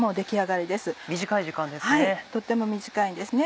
はいとっても短いんです。